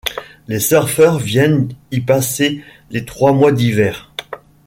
Les surfeurs viennent y passer les trois mois d'hiver.